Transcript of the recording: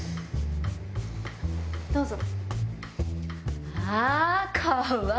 どうぞ。